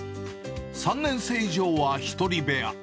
３年生以上は１人部屋。